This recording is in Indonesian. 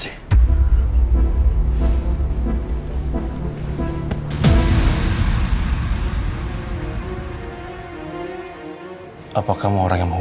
jadi ini adalah minta ucap di swearman saya